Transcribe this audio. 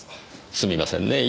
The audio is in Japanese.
すみませんねぇ